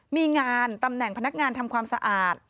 มีงานตำแหน่งพนักงานทำความสะอาด